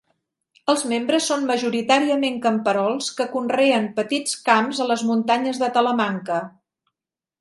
Els membres són majoritàriament camperols que conreen petits camps a les muntanyes de Talamanca.